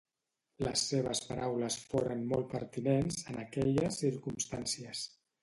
Les seves paraules foren molt pertinents, en aquelles circumstàncies.